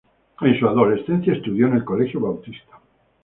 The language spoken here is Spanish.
En su adolescencia estudió en el Colegio Bautista.